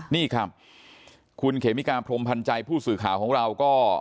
นี่ครับคุณเขมิกาพรมพันธ์ใจผู้สื่อข่าวของเราก็